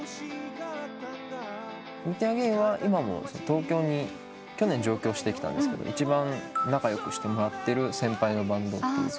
東京に去年上京してきたんですけど一番仲良くしてもらってる先輩のバンド。